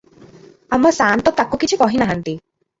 ଆମ ସାଆନ୍ତ ତାକୁ କିଛି କହିନାହାନ୍ତି ।